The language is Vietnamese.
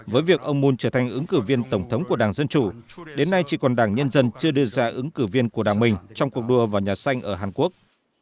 với việc ông moon trở thành ứng cử viên tổng thống của đảng dân chủ đến nay chỉ còn đảng nhân dân chưa đưa ra ứng cử viên của đảng mình trong cuộc đua vào nhà xanh ở hàn quốc